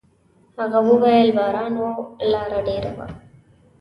هغه وويل: «باران و، لاره ډېره وه.»